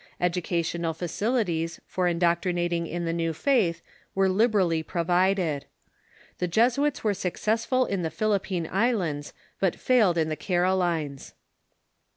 Educational facilities for indoctrinating in the new faith were liberally ])rovided. The Jesuits were successful in the Philippine Isl ands, but failed in the Carolines.